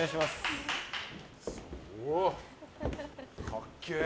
かっけえ。